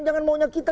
jangan maunya kita